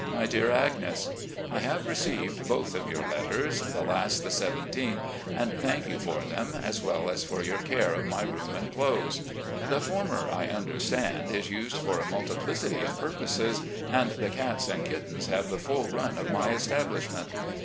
My Dear Agnes: I have received both of your letters, the last the 17th, and thank you for them as well as for your care of my room and clothes. The former I under stand is used for a multiplicity of purposes, and the cats and kittens have the full run of my establishment.